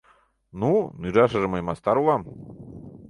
Ну, нӱжашыже мый мастар улам.